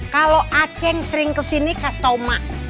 kalo acing sering kesini kastau ma